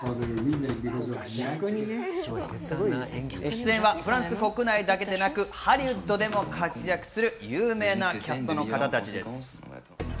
出演はフランス国内だけでなく、ハリウッドでも活躍する有名なキャストの方たちです。